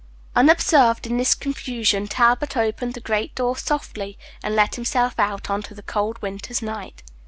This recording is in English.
Unobserved in the confusion, Talbot opened the great door softly, and let himself out into the cold winter's night.